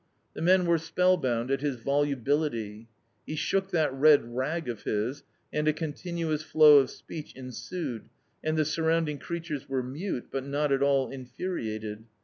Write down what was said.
The men were spellbound at his vol ubility. He shook that red rag of his, and a con tinuous flow of speech ensued, and the surrounding creatures were mute, but not at all mfuriated.